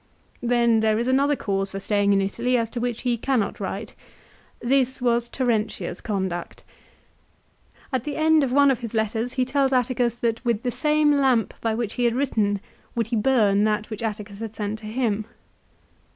Then there is another cause for staying in Italy as to which he cannot write. This was Terentia's conduct. At the end of one of his letters he tells Atticus that with the same lamp by which he had written would he burn that which Atticus had sent to him.